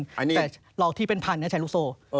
แต่หลอกทีเป็นพันนะแชร์ลูกโน้น